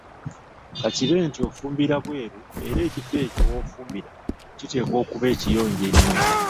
Ka kibe nti ofumbira bwelu era ekifo ekyo w‘ofumbira kiteekwa okuba ekiyonjo ennyo.